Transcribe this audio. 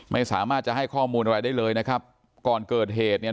ไม่สามารถจะให้ข้อมูลอะไรได้เลยนะครับก่อนเกิดเหตุเนี่ย